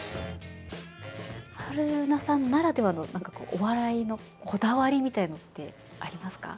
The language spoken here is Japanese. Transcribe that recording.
春菜さんならではの何かこうお笑いのこだわりみたいのってありますか？